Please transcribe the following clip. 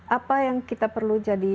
apa yang kita perlu jadi